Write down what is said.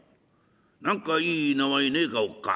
何かいい名前ねえかおっかあ」。